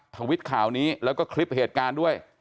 ทวิตข่าวนี้แล้วก็คลิปเหตุการณ์ด้วย